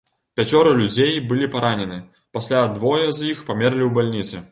Пяцёра людзей былі паранены, пасля двое з іх памерлі ў бальніцы.